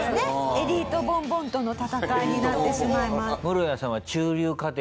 エリートボンボンとの戦いになってしまいます。